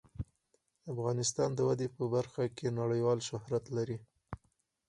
افغانستان د وادي په برخه کې نړیوال شهرت لري.